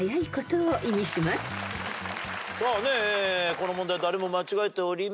この問題誰も間違えておりません。